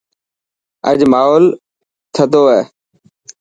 اڄ ماحول نندو هي